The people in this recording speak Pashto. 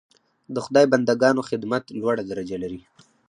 د خدای بنده ګانو خدمت لوړه درجه لري.